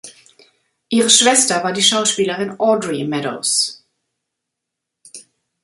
Ihre Schwester war die Schauspielerin Audrey Meadows.